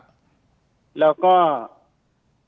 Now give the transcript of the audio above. คุณภาคภูมิครับคุณภาคภูมิครับ